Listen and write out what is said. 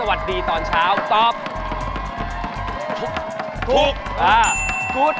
ไม่กินเป็นร้อย